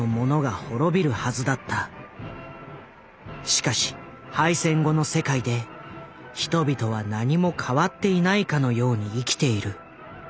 しかし敗戦後の世界で人々は何も変わっていないかのように生きている。